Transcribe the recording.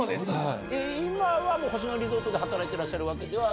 今はもう星野リゾートで働いてらっしゃるわけでは。